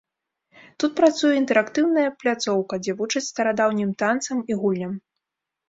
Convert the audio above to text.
Тут працуе інтэрактыўная пляцоўка, дзе вучаць старадаўнім танцам і гульням.